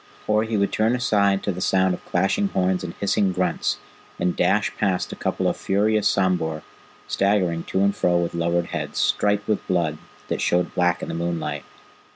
Or he would turn aside to the sound of clashing horns and hissing grunts, and dash past a couple of furious sambhur, staggering to and fro with lowered heads, striped with blood that showed black in the moonlight.